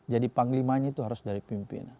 jadi panglimanya itu harus dari pimpinan